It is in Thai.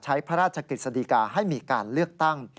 ใช้พระราชกฤษฎีกาให้มีการเลือกตั้ง